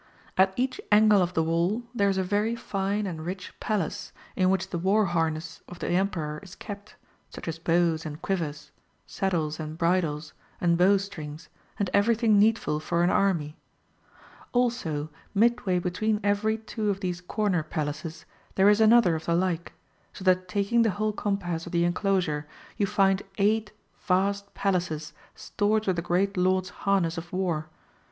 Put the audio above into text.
At each angle of the wall there is a very fine and rich palace in which the war harness of the Emperor is kept, such as bows and quivers, saddles and bridles, and bowstrings, and everything needful for an army. Also midway between every two of these Corner Palaces there is another of the like ; so that taking the whole compass of the enclosure you find eiofht vast Palaces stored with the Great Lord's harness of war.